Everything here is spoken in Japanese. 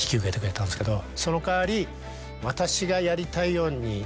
「その代わり」。